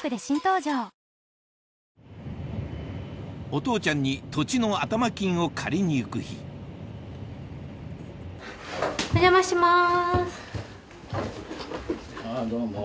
お父ちゃんに土地の頭金を借りに行く日あぁどうも。